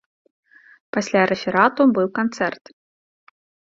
Пасля рэферату быў канцэрт.